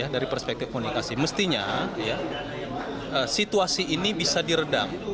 dari perspektif komunikasi mestinya situasi ini bisa diredam